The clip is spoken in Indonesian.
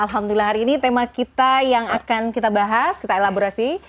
alhamdulillah hari ini tema kita yang akan kita bahas kita elaborasi